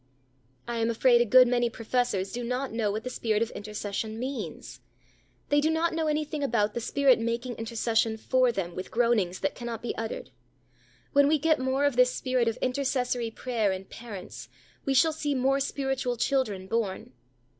I am afraid a good many professors do not know what the Spirit of intercession means. They do not know anything about the Spirit making intercession for them with groanings that cannot be uttered. When we get more of this Spirit of intercessory prayer in parents, we shall see more spiritual children born.